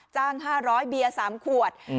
๕๐๐เบียร์๓ขวด